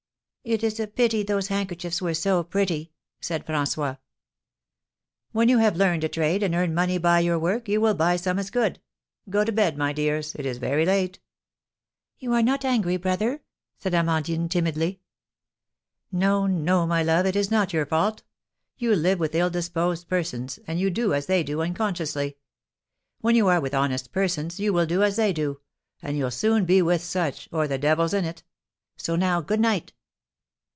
"It is a pity those handkerchiefs were so pretty!" said François. "When you have learned a trade, and earn money by your work, you will buy some as good. Go to bed, my dears, it is very late." "You are not angry, brother?" said Amandine, timidly. "No, no, my love, it is not your fault. You live with ill disposed persons, and you do as they do unconsciously. When you are with honest persons, you will do as they do; and you'll soon be with such, or the devil's in it. So now, good night!"